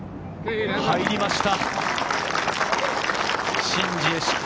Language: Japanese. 入りました。